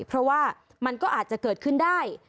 เพราะว่ามันก็อาจจะเกิดขึ้นได้